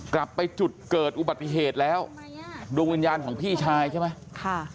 กลับไปจุดเกิดอุบัติเหตุแล้วดวงวิญญาณของพี่ชายใช่ไหมค่ะ